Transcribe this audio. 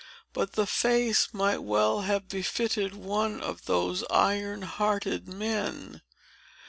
But the face might well have befitted one of those iron hearted men.